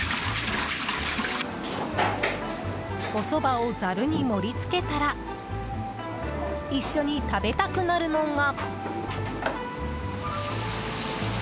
おそばをざるに盛り付けたら一緒に食べたくなるのが。